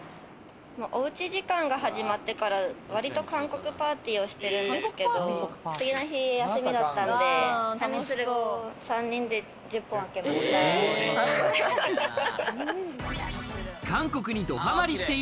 おうち時間が始まってから、わりと韓国パーティーをしてるんですけど、次の日休みだったんで、チャミスルを３人で１０本あけました。